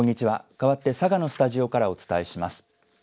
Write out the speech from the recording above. かわって佐賀のスタジオからお伝えします。